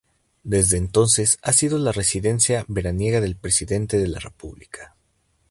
Desde entonces, ha sido la residencia veraniega del Presidente de la República.